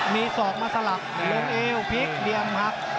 มีสอกมาสลับลงเอวพลิกเดียงหัก